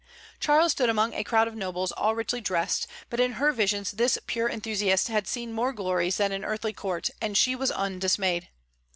Charles stood among a crowd of nobles, all richly dressed; but in her visions this pure enthusiast had seen more glories than an earthly court, and she was undismayed.